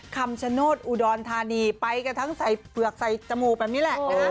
คำชโนธอุดรธานีไปกันทั้งใส่เฝือกใส่จมูกแบบนี้แหละนะฮะ